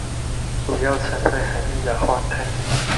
主要成分含一氧化碳